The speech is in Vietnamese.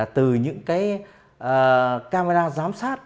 từ những camera giám sát